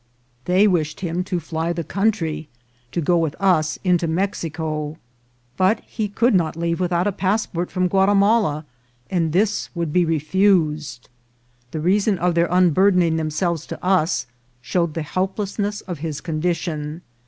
They wished him to fly the country, to go with us into Mexico ; but he could not leave with out a passport from Guatimala, and this would be refu sed. The reason of their unburdening themselves to us showed the helplessness of his condition.